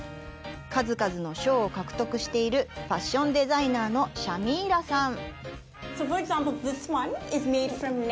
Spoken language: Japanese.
数々の賞を獲得しているファッションデザイナーのシャミーラさん。